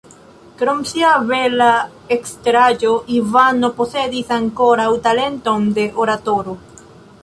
Krom sia bela eksteraĵo Ivano posedis ankoraŭ talenton de oratoro.